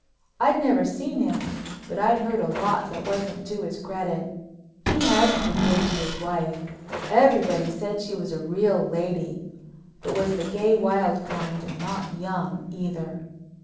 I'd never seen him, but I'd heard a lot that wasn't to his credit. He hadn't been good to his wife—everybody said she was a real lady—but was the gay, wild kind, and not young, either.